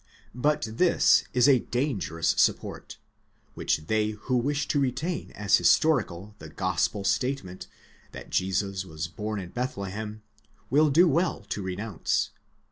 But this is a dangerous support, which they who wish to retain as historical the Gospel statement, that Jesus was born in Bethlehem, will do well to renounce.